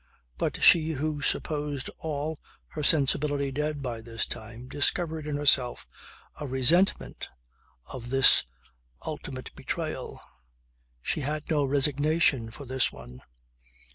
But she who supposed all her sensibility dead by this time, discovered in herself a resentment of this ultimate betrayal. She had no resignation for this one.